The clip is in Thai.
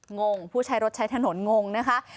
งงผู้ใช้รถใช้ถนนงงนะคะ